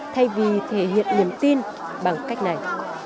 thay vì thể hiện niềm tin bằng cách này